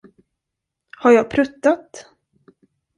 Har jag pruttat?